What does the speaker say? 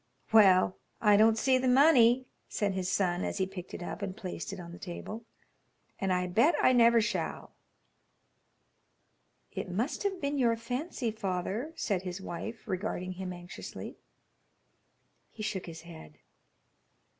"Well, I don't see the money," said his son as he picked it up and placed it on the table, "and I bet I never shall." "It must have been your fancy, father," said his wife, regarding him anxiously. He shook his head.